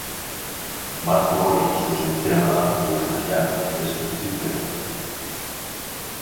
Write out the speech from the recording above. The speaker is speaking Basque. Marko hori zuzentzea da gure nahia, ez suntsitzea.